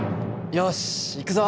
よしいくぞ！